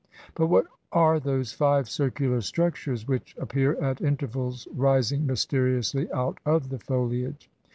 But what are those five circular structures which ap pear at intervals rising mysteriously out of the foliage?